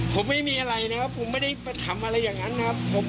ผมไม่มีอะไรนะครับผมไม่ได้ไปทำอะไรอย่างนั้นนะครับ